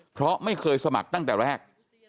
เพราะไม่เคยสมัครตั้งแต่แรก